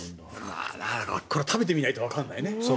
これは食べてみないとわからないね。